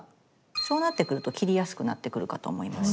そうなってくると切りやすくなってくるかと思います。